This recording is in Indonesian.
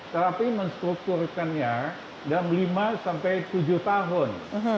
tetapi menstrukturkannya dalam lima sampai tujuh tahun